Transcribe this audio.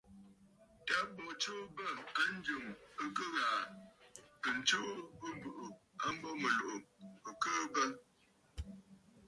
Tâ bo tsuu bə̂ a njɨ̀m ɨ kɨ ghàà, ɨ tsuu ɨbùꞌù a mbo mɨ̀lùꞌù ɨ kɨɨ bə.